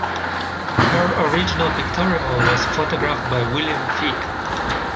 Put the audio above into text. Her original pictorial was photographed by William Figge.